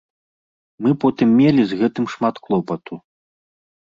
Мы потым мелі з гэтым шмат клопату.